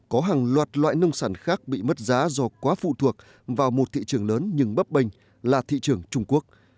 có hàng loạt loại nông sản khác bị mất giá do quá phụ thuộc vào một thị trường lớn nhưng bấp bênh là thị trường trung quốc